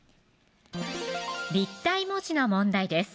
立体文字の問題です